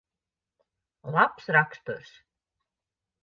Labs raksturs.